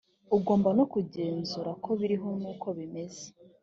ugomba no kugenzura ko biriho n’ uko bimeze